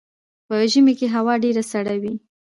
په ژمي کې هوا ډیره سړه وي